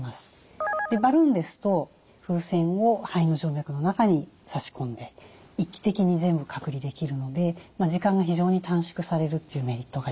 バルーンですと風船を肺の静脈の中に差し込んで一気的に全部隔離できるので時間が非常に短縮されるというメリットがあります。